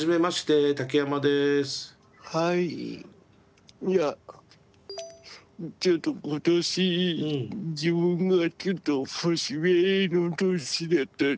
いやちょっと今年自分がちょっと節目の年に当たって。